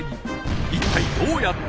一体どうやって？